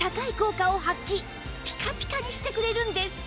ピカピカにしてくれるんです